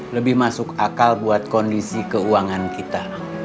lebih masuk akal buat kondisi keuangan kita